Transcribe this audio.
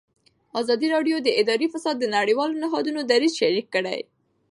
ازادي راډیو د اداري فساد د نړیوالو نهادونو دریځ شریک کړی.